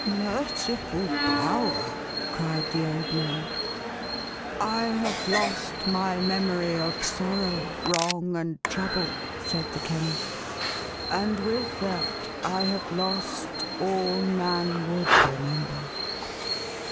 "11 " Merciful Power !" cried the old man. " I have lost mv memory of sorrow, wrong, and trouble,"' said the Chemist, " and with that I have lost all man would remember